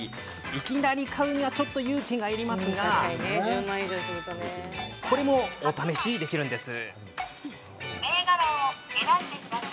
いきなり買うにはちょっと勇気がいりますがこれも、お試しできるんです。